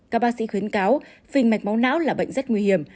các bác sĩ khuyến cáo phình mạch máu não là bệnh rất nguy hiểm